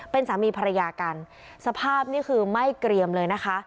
เป็นสามีภรรยากันสภาพนี่คือไม่เกรียมเลยนะคะ